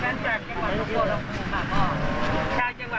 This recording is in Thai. ชาวจังหวัดของพวกเราคุณป้าพอร์ตเยอะแยะ